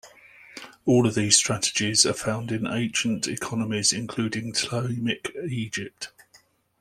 All of these strategies are found in ancient economies including Ptolemaic Egypt.